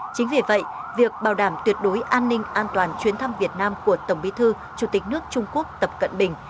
chính vì vậy việc bảo đảm tuyệt đối an ninh an toàn chuyến thăm việt nam của tổng bí thư chủ tịch nước trung quốc tập cận bình